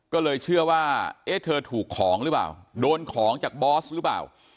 ก็เลยเชื่อว่าเอ๊ะเธอถูกของหรือเปล่าโดนของจากบอสหรือเปล่า